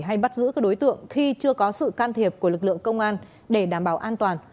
hay bắt giữ các đối tượng khi chưa có sự can thiệp của lực lượng công an để đảm bảo an toàn